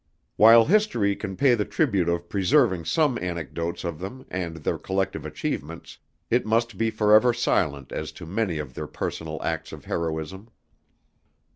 While history can pay the tribute of preserving some anecdotes of them and their collective achievements, it must be forever silent as to many of their personal acts of heroism.